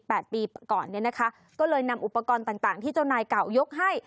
ปีก่อนเนี่ยนะคะก็เลยนำอุปกรณ์ต่างต่างที่เจ้านายเก่ายกให้